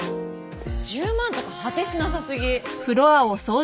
１０万とか果てしなさ過ぎ。